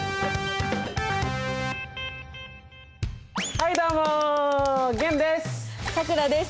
はいども！玄です！